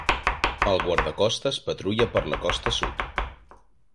El guardacostes patrulla per la costa sud.